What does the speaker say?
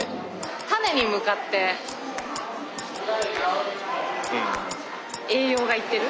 種に向かって栄養が行ってる？